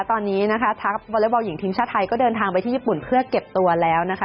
ตอนนี้นะคะทัพวอเล็กบอลหญิงทีมชาติไทยก็เดินทางไปที่ญี่ปุ่นเพื่อเก็บตัวแล้วนะคะ